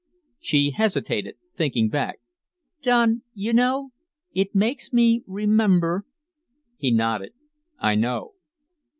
She hesitated, thinking back. "Don, you know, it makes me remember " He nodded. "I know."